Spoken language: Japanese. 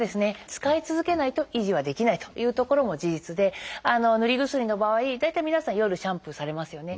使い続けないと維持はできないというところも事実で塗り薬の場合大体皆さん夜シャンプーされますよね。